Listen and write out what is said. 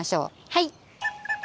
はい！